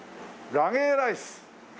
ラゲーライス。